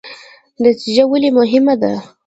نتیجه ولې مهمه ده؟